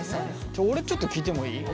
俺ちょっと聞いてもいい？